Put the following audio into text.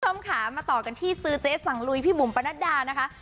คุณผู้ชมค่ะมาต่อกันที่ซื้อเจ๊สั่งลุยพี่บุ๋มปะนัดดานะคะ